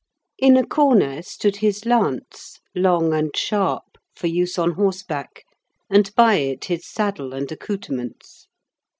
In a corner stood his lance, long and sharp, for use on horse back, and by it his saddle and accoutrements.